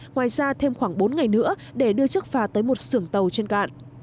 ngoài ra thêm khoảng bốn ngày nữa để đưa chiếc phà tới một sưởng tàu trên cạn